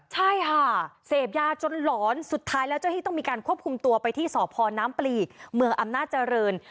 ใช่ค่ะเสพยาจนหลอนสุดท้ายแล้วเจ้าที่ต้องมีการควบคุมตัวไปที่สพน้ำปลีกเมืองอำนาจริง